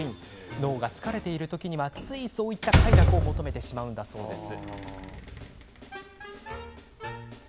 脳が疲れている時にはつい、そういった快楽を求めてしまうんだそうです。